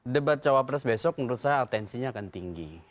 debat cawapres besok menurut saya atensinya akan tinggi